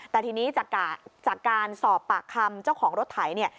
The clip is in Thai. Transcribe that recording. แต่ทีนี้จากการสอบปากคำเจ้าของรถไถเนี่ย